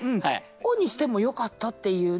「を」にしてもよかったっていうね。